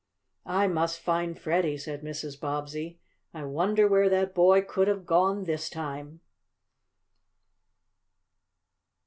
"I must find Freddie," said Mrs. Bobbsey. "I wonder where that boy could have gone this time?"